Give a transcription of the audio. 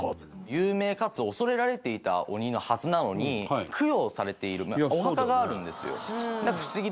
有名かつ恐れられていた鬼のはずなのに供養されているお墓があるんですよ。